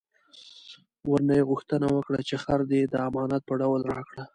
ورنه یې غوښتنه وکړه چې خر دې د امانت په ډول راکړه.